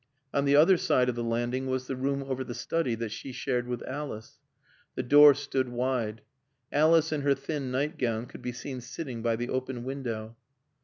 On the other side of the landing was the room over the study that she shared with Alice. The door stood wide. Alice in her thin nightgown could be seen sitting by the open window.